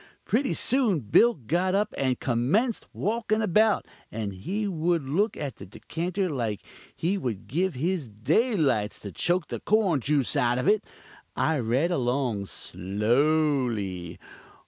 Pretty soon Bill got up and commenced walkin' about, and he would look at the dekanter like he would give his daylights to choke the corn juice out of it. I read along slowly.